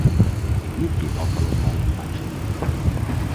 Mindkét alkalommal második lett.